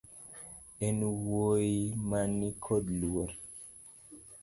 En wuoyi mani kod luor